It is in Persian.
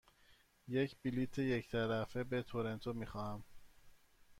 یک بلیط یک طرفه به تورنتو می خواهم.